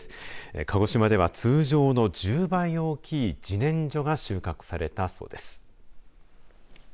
鹿児島では通常の１０倍大きいじねんじょが収穫されたそうです。